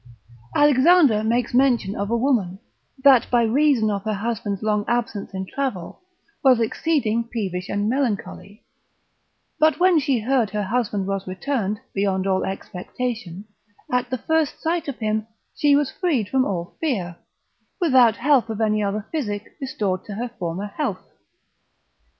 Alexander makes mention of a woman, that by reason of her husband's long absence in travel, was exceeding peevish and melancholy, but when she heard her husband was returned, beyond all expectation, at the first sight of him, she was freed from all fear, without help of any other physic restored to her former health.